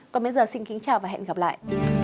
còn bây giờ xin kính chào và hẹn gặp lại